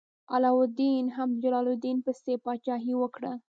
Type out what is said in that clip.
علاوالدین هم د جلال الدین پسې پاچاهي وکړه.